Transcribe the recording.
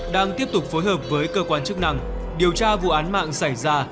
đang tiếp tục phối hợp với cơ quan chức năng điều tra vụ án mạng xảy ra